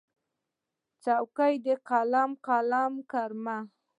څوکې د قلم، قلم کرمه